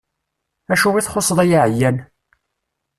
Acu i txuṣṣeḍ ay aɛeyan?